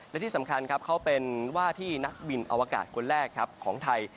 และที่สำคัญครับเขาเป็นว่าที่นักบินอวกาศคนแรกครับของไทย